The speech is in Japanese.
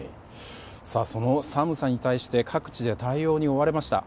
その寒さに対して各地で対応に追われました。